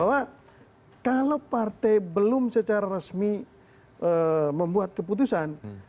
bahwa kalau partai belum secara resmi membuat keputusan